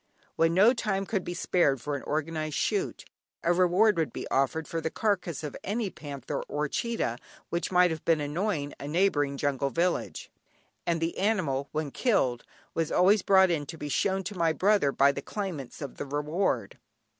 When no time could be spared for an organised shoot, a reward would be offered for the carcase of any panther or cheetah which might have been annoying a neighbouring jungle village, and the animal, when killed, was always brought in to be shown to my brother by the claimants of the reward.